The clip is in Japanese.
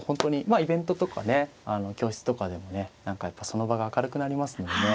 まあイベントとかね教室とかでもね何かやっぱその場が明るくなりますのでね